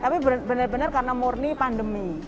tapi benar benar karena murni pandemi